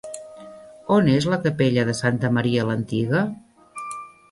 On és la capella de Santa Maria l'Antiga?